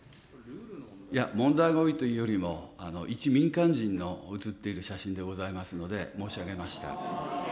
問題が多いというよりも、一民間人の写っている写真でございますので申し上げました。